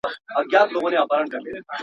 زه له پرون راهیسې کار کوم!!